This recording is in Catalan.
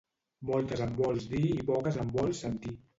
Moltes en vols dir i poques en vols sentir.